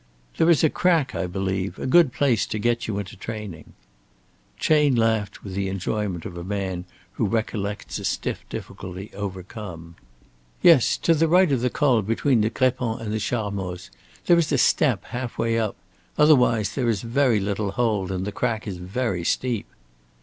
"There is a crack, I believe a good place to get you into training." Chayne laughed with the enjoyment of a man who recollects a stiff difficulty overcome. "Yes, to the right of the Col between the Grépon and the Charmoz. There is a step half way up otherwise there is very little hold and the crack is very steep."